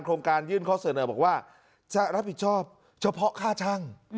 โครงการยื่นข้อเสนอบอกว่าจะรับผิดชอบเฉพาะค่าช่าง